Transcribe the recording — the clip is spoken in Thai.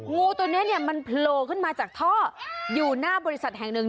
งูตัวนี้เนี่ยมันโผล่ขึ้นมาจากท่ออยู่หน้าบริษัทแห่งหนึ่ง